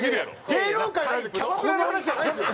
芸能界の話でキャバクラの話じゃないですよ？